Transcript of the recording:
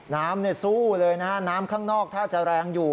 น้ำสู้เลยนะฮะน้ำข้างนอกถ้าจะแรงอยู่